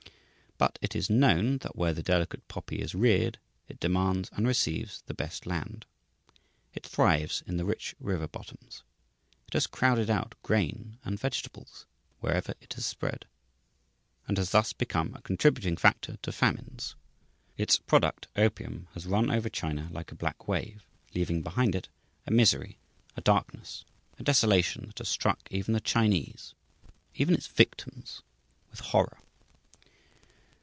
But it is known that where the delicate poppy is reared, it demands and receives the best land. It thrives in the rich river bottoms. It has crowded out grain and vegetables wherever it has spread, and has thus become a contributing factor to famines. Its product, opium, has run over China like a black wave, leaving behind it a misery, a darkness, a desolation that has struck even the Chinese, even its victims, with horror.